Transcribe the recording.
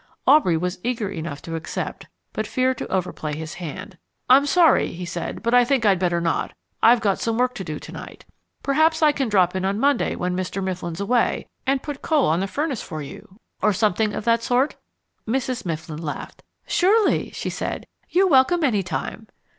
Aubrey was eager enough to accept, but feared to overplay his hand. "I'm sorry," he said, "but I think I'd better not. I've got some work to do to night. Perhaps I can drop in on Monday when Mr. Mifflin's away, and put coal on the furnace for you, or something of that sort?" Mrs. Mifflin laughed. "Surely!" she said. "You're welcome any time."